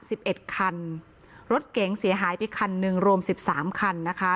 สิบเอ็ดคันรถเก๋งเสียหายไปคันหนึ่งรวมสิบสามคันนะคะ